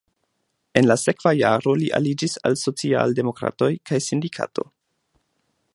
En la sekva jaro li aliĝis al socialdemokratoj kaj sindikato.